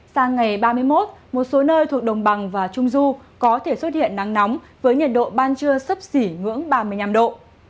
sang ngày ba mươi một một số nơi thuộc đồng bằng và trung du có thể xuất hiện nắng nóng với nhiệt độ ban trưa sấp xỉ ngưỡng ba mươi năm độ